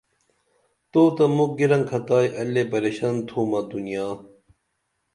تو تہ مُکھ گِرنکھتائی ائی لے پریشن تُھمہ دنیا